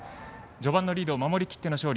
序盤のリードを守りきっての勝利